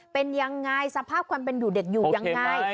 เป็นยังไงสภาพความเป็นอยู่เด็กอยู่ยังไง